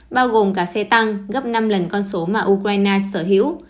bao gồm cả xe tăng gấp năm lần con số mà ukraine sở hữu